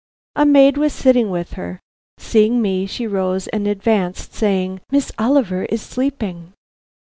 A maid was sitting with her. Seeing me, she rose and advanced, saying: "Miss Oliver is sleeping."